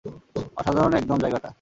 অসাধারণ একদম জায়গাটা।